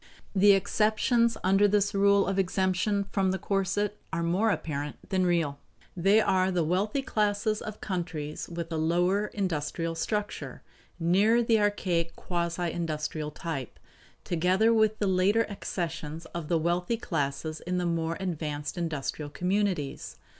The exceptions under this rule of exemption from the corset are more apparent than real. They are the wealthy classes of countries with a lower industrial structure nearer the archaic, quasi industrial type together with the later accessions of the wealthy classes in the more advanced industrial communities.